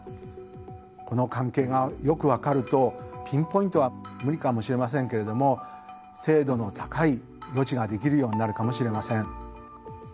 この関係がよく分かるとピンポイントは無理かもしれませんけれども精度の高い予知ができるようになるかもしれません。